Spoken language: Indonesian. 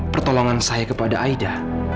pertolongan saya kepada aida